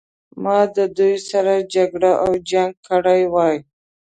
ما د دوی سره جګړه او جنګ کړی وای.